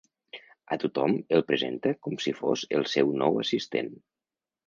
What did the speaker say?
A tothom el presenta com si fos el seu nou assistent.